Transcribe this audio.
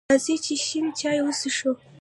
راځئ چې شین چای وڅښو!